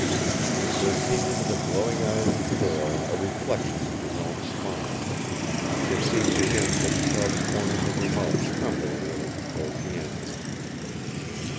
There came into the glowing eyes of the girl a reflection of his own smile. It seemed to him that he saw the corners of her mouth tremble a little before she answered him.